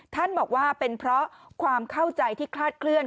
ท่านบอกว่าเป็นเพราะความเข้าใจที่คลาดเคลื่อน